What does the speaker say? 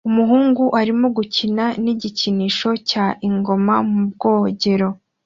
Umuhungu arimo gukina nigikinisho cya ingoma mu bwogero